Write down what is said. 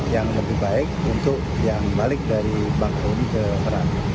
yang lebih baik untuk yang balik dari bangkuri ke merak